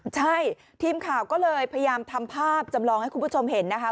ใช่ทีมข่าวก็เลยพยายามทำภาพจำลองให้คุณผู้ชมเห็นนะคะ